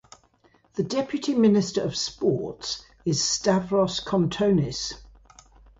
The Deputy Minister of Sports is Stavros Kontonis.